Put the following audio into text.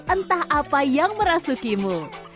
entah apa yang merasukimu